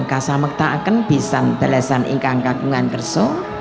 yang tidak akan bisa belajar dengan kakungan kerasa